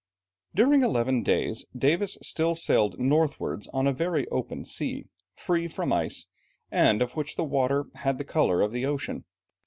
During eleven days, Davis still sailed northwards on a very open sea, free from ice, and of which the water had the colour of the Ocean.